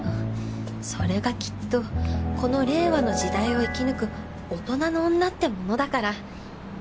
それがきっとこの令和の時代を生き抜く大人の女ってものだから